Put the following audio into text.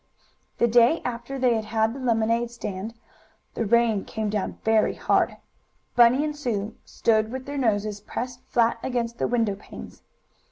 The day after they had had the lemonade stand the rain came down very hard. Bunny and Sue stood with their noses pressed flat against the window panes.